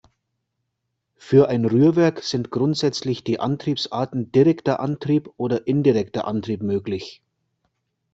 Für ein Rührwerk sind grundsätzlich die Antriebsarten direkter Antrieb oder indirekter Antrieb möglich.